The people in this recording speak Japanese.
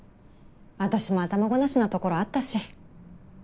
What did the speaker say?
私も頭ごなしなところあったし。